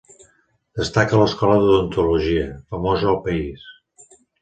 Destaca l'escola d'odontologia, famosa al país.